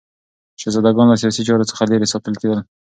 شهزادګان له سیاسي چارو څخه لیرې ساتل کېدل.